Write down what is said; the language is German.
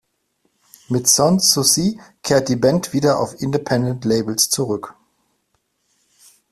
Mit "Sans Souci" kehrt die Band wieder auf Independent-Labels zurück.